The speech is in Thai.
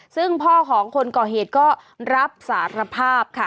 ซึ่งพ่อของคนก่อเหตุก็รับสารภาพค่ะ